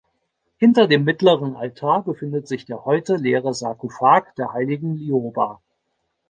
Hinter dem mittleren Altar befindet sich der heute leere Sarkophag der Heiligen Lioba.